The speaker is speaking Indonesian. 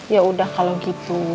ya udah kalau gitu